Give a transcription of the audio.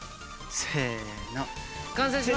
せの。